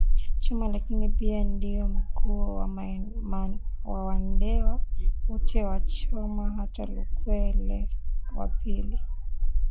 Choma lakini pia ndiyo Mkuu wa Wandewa wote wa Choma hata Lukwele wa pili